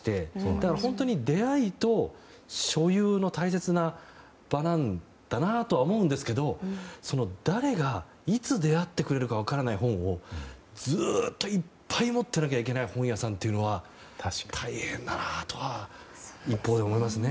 だから本当に出会いと所有の大切な場なんだなとは思うんですけど誰がいつ出会ってくれるか分からない本をずっといっぱい持ってなきゃいけない本屋さんっていうのは大変だなとは一方で思いますね。